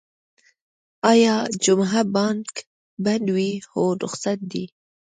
ایا جمعه بانک بند وی؟ هو، رخصت ده